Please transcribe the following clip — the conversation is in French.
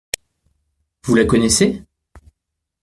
Vous la connaissez ?